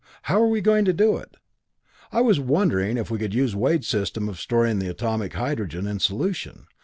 How are we going to do it? I was wondering if we could use Wade's system of storing the atomic hydrogen in solution.